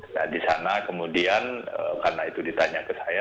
nah di sana kemudian karena itu ditanya ke saya